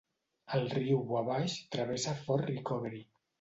El riu Wabash travessa Fort Recovery.